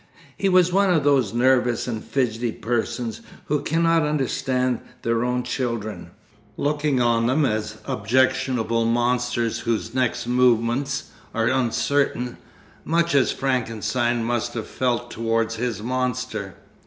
He was one of those nervous and fidgety persons who cannot understand their own children, looking on them as objectionable monsters whose next movements are uncertain much as Frankenstein must have felt towards his monster.